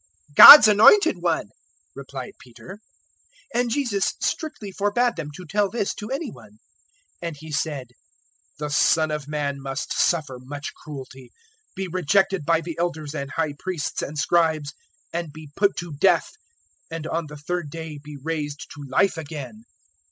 "God's Anointed One," replied Peter. 009:021 And Jesus strictly forbad them to tell this to any one; 009:022 and He said, "The Son of Man must suffer much cruelty, be rejected by the Elders and High Priests and Scribes, and be put to death, and on the third day be raised to life again."